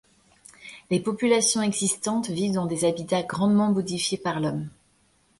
Les populations existantes vivent dans des habitats grandement modifiés par l'homme.